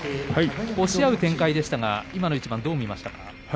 押し合う展開でしたが今の一番どう見ましたか？